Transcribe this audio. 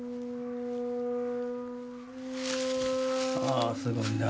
ああすごいな。